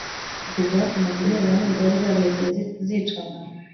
Ibyo byatumaga Interahamwe zari zarihebye zica abantu